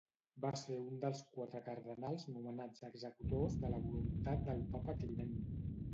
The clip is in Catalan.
Va ser un dels quatre Cardenals nomenats executors de la voluntat del papa Climent.